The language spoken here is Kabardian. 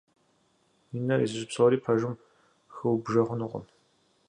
Уи нэр изыщӀ псори пэжым хыубжэ хъунукъым.